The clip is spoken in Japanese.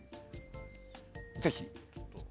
ぜひ。